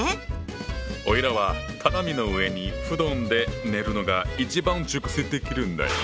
おいらは畳の上に布団で寝るのが一番熟睡できるんだよ。